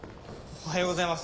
おはようございます。